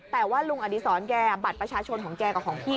แต่ว่าลุงอดีศรแกบัตรประชาชนของแกกับของพี่